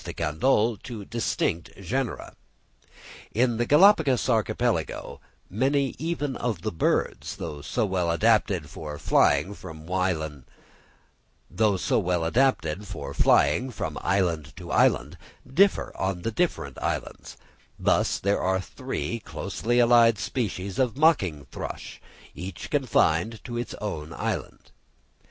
de Candolle, to distinct genera. In the Galapagos Archipelago, many even of the birds, though so well adapted for flying from island to island, differ on the different islands; thus there are three closely allied species of mocking thrush, each confined to its own island.